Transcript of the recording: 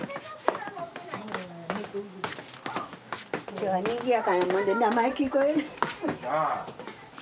今日はにぎやかなもんで名前聞こえん。なあ。